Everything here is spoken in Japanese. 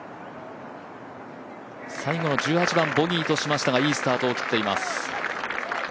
最後の１８番ボギーとしましたがいいスタートを切っています。